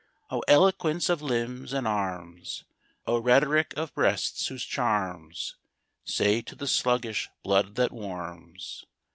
O eloquence of limbs and arms! O rhetoric of breasts, whose charms Say to the sluggish blood what warms!